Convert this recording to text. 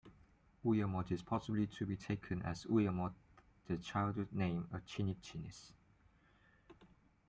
Ouiamot is possibly to be taken as Ouiamot the childhood name of Chinigchinix.